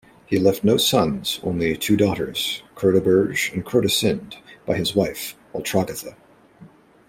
He left no sons, only two daughters, Chrodoberge and Chrodesinde, by his wife Ultragotha.